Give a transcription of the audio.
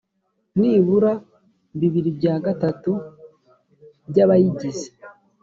nibura bibiri bya gatatu by abayigize